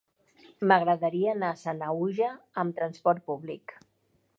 M'agradaria anar a Sanaüja amb trasport públic.